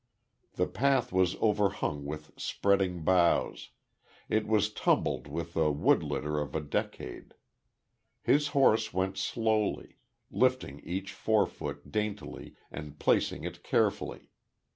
The path was overhung with spreading boughs; it was tumbled with the wood litter of a decade. His horse went slowly, lifting each forefoot daintily and placing it carefully.